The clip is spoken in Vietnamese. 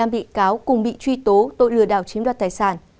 một mươi năm bị cáo cùng bị truy tố tội lừa đảo chiếm đoạt tài sản